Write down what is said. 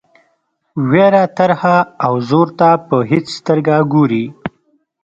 وېره ترهه او زور ته په هیڅ سترګه ګوري.